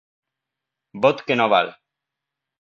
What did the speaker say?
Vot que no val.